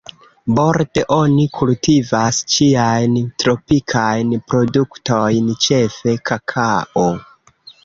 Borde oni kultivas ĉiajn tropikajn produktojn, ĉefe kakao.